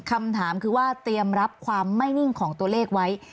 คำถามคือว่าเตรียมรับความไม่นิ่งของตัวเลขไว้